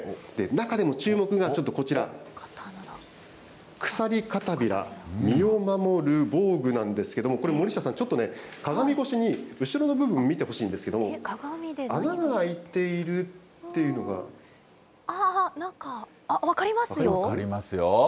中でも注目がちょっとこちら、鎖帷子、身を守る防具なんですけれども、これ、森下さん、ちょっとね、鏡越しに後ろの部分を見てほしいんですけど、穴が開いているあっ、なんか、分かりますよ。